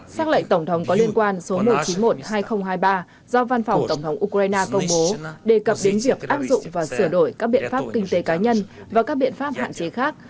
xác lệnh tổng thống có liên quan số một trăm chín mươi một hai nghìn hai mươi ba do văn phòng tổng thống ukraine công bố đề cập đến việc áp dụng và sửa đổi các biện pháp kinh tế cá nhân và các biện pháp hạn chế khác